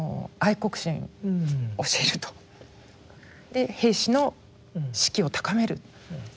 で兵士の士気を高める。